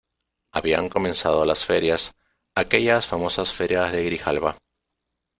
habían comenzado las ferias, aquellas famosas ferias de Grijalba ,